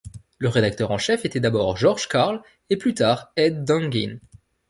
Le rédacteur en chef était d'abord George Carl et plus tard Ed. Dangin.